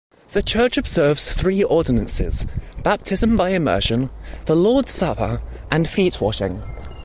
The church observes three ordinances: baptism by immersion, the Lord's Supper, and feet washing.